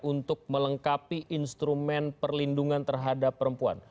untuk melengkapi instrumen perlindungan terhadap perempuan